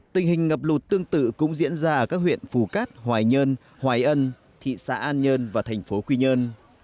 tình hình ngập lụt tương tự cũng diễn ra ở các huyện phù cát hoài nhơn hoài ân thị xã an nhơn và thành phố quy nhơn